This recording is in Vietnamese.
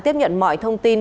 tiếp nhận mọi thông tin